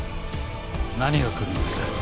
何が来るんです？